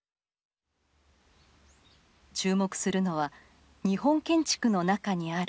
注目するのは日本建築の中にある暗闇。